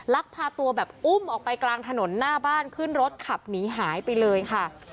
ลักพาตัวแบบอุ้มออกไปกลางถนนหน้าบ้านขึ้นรถขับหนีหายไปเลยค่ะ